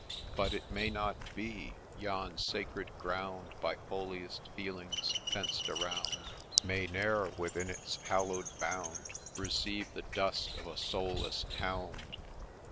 64 THE CYNOTAPH But it may not be — yon sacred ground By holiest feelings fenced around, May ne'er within its hallow'd bound Receive the dust of a soul less hound.